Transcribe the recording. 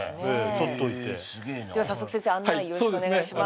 とっといて先生案内よろしくお願いします